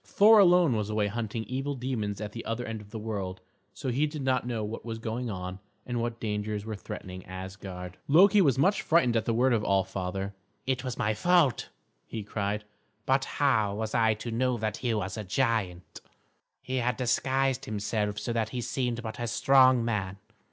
Thor alone was away hunting evil demons at the other end of the world, so he did not know what was going on, and what dangers were threatening Asgard. Loki was much frightened at the word of All Father. "It was my fault," he cried, "but how was I to know that he was a giant? He had disguised himself so that he seemed but a strong man.